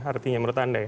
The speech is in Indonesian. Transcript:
artinya menurut anda ya